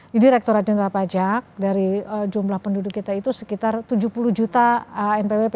di direkturat jenderal pajak dari jumlah penduduk kita itu sekitar tujuh puluh juta npwp